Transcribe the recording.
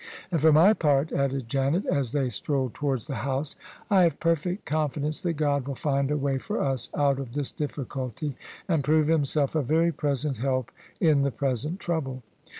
" And for my part," added Janet, as they strolled towards the house, " I have perfect confidence that God will find a way for us out of this difficulty, and prove Himself a very present help in the present trouble.